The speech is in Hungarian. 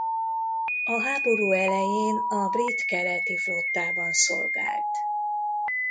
A háború elején a brit Keleti Flottában szolgált.